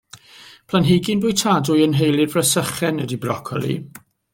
Planhigyn bwytadwy yn nheulu'r fresychen ydy brocoli.